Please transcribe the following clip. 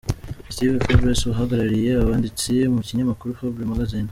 Steve Forbes uhagarariye ubwanditsi mu kinyamakuru Forbes Magazine.